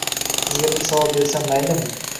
Sizga bir savol bersam maylimi?